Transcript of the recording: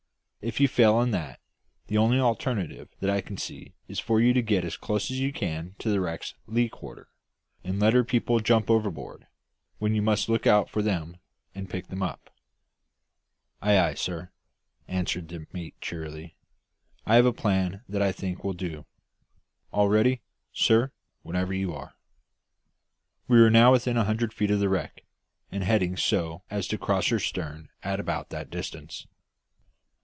If you fail in that, the only alternative that I can see is for you to get as close as you can to the wreck's lee quarter, and let her people jump overboard, when you must look out for them and pick them up." "Ay, ay, sir," answered the mate cheerily; "I have a plan that I think will do. All ready, sir, whenever you are." We were now within a hundred feet of the wreck, and heading so as to cross her stern at about that distance.